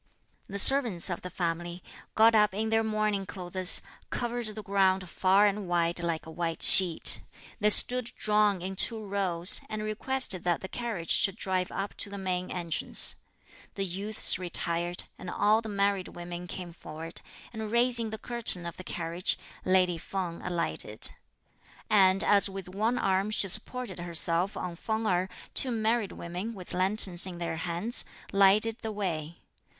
The servants of the family, got up in their mourning clothes, covered the ground far and wide like a white sheet. They stood drawn in two rows, and requested that the carriage should drive up to the main entrance. The youths retired, and all the married women came forward, and raising the curtain of the carriage, lady Feng alighted; and as with one arm she supported herself on Feng Erh, two married women, with lanterns in their hands, lighted the way.